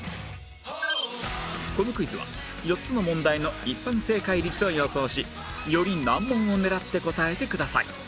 このクイズは４つの問題の一般正解率を予想しより難問を狙って答えてください